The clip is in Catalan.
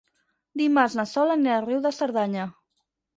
Dimarts na Sol anirà a Riu de Cerdanya.